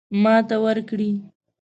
ماته ورکړي.